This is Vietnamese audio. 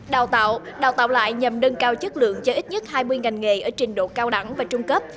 đào tạo đào tạo lại nhằm nâng cao chất lượng cho ít nhất hai mươi ngành nghề ở trình độ cao đẳng và trung cấp